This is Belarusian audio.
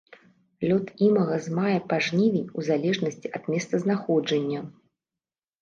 Лёт імага з мая па жнівень у залежнасці ад месцазнаходжання.